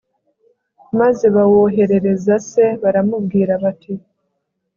maze bawoherereza se baramubwira bati